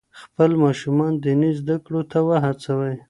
خپل ماشومان دیني زده کړو ته وهڅوئ.